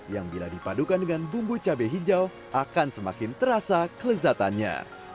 yang bila dipadukan dengan bumbu cabai hijau akan semakin terasa kelezatannya